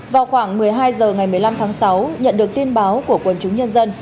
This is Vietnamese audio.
vào khoảng một mươi hai h ngày một mươi năm tháng sáu nhận được tin báo của quân chúng nhân dân